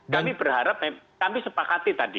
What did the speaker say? kami berharap kami sepakati tadi